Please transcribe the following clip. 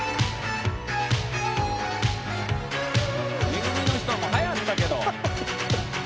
『め組のひと』もはやったけど。